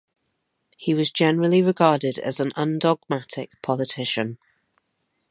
He was generally regarded as an undogmatic politician.